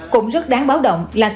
cũng rất đáng báo động là tỉnh